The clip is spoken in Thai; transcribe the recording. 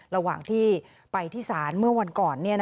ระหว่างที่ไปที่ศาลเมื่อวันก่อน